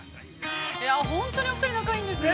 ◆本当にお二人、仲がいいんですね。